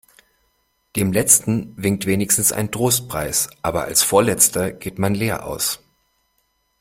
Dem Letzten winkt wenigstens ein Trostpreis, aber als Vorletzter geht man leer aus.